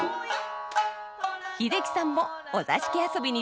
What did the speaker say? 英樹さんもお座敷遊びに挑戦します！